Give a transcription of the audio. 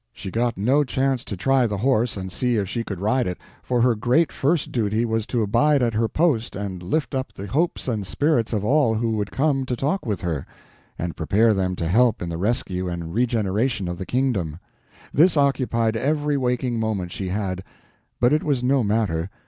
She got no chance to try the horse and see if she could ride it, for her great first duty was to abide at her post and lift up the hopes and spirits of all who would come to talk with her, and prepare them to help in the rescue and regeneration of the kingdom. This occupied every waking moment she had. But it was no matter.